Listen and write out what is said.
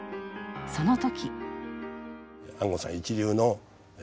その時。